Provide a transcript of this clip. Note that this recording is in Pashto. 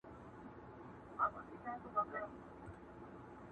ته خبر نه وي ما سندري درته کړلې اشنا!!